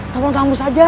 tolong kang mus aja